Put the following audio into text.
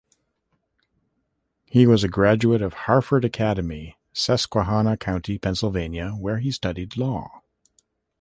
He was a graduate of Harford Academy, Susquehanna County, Pennsylvania, where he studied law.